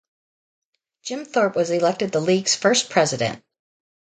Jim Thorpe was elected the league's first president.